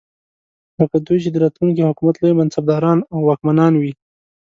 لکه دوی چې د راتلونکي حکومت لوی منصبداران او واکمنان وي.